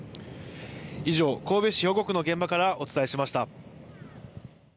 以上、神戸市兵庫区の現場からお伝えしました。